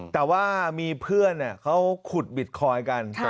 แต่ว่ามีเพื่อนเขาขุดบิตคอยน์กัน